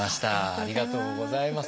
ありがとうございます。